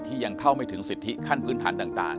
ยังเข้าไม่ถึงสิทธิขั้นพื้นฐานต่าง